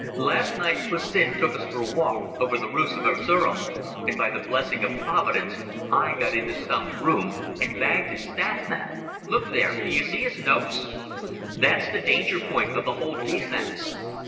Last night Hussin took us for a walk over the roofs of Erzerum, and by the blessing of Providence I got into Stumm's room, and bagged his staff map ... Look there ... d'you see his notes? That's the danger point of the whole defence.